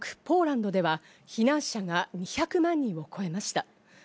ポーランドでは、避難者が２００万人を超えました。